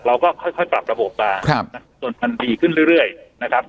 เราก็ค่อยค่อยปรับระบบกันครับจนมันดีขึ้นเรื่อยเรื่อยนะครับ